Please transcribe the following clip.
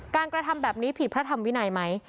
กระทำแบบนี้ผิดพระธรรมวินัยไหม